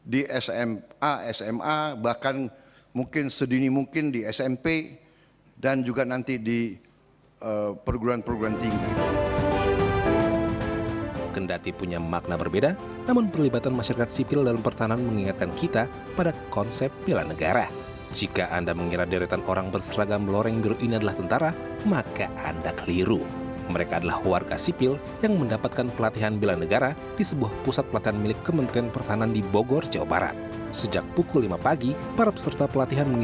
di sma sma bahkan mungkin sedini mungkin di smp dan juga nanti di perguruan perguruan tinggi